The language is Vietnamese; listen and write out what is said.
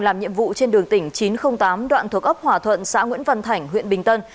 làm nhiệm vụ trên đường tỉnh chín trăm linh tám đoạn thuộc ốc hòa thuận xã nguyễn văn thảnh huyện bình tân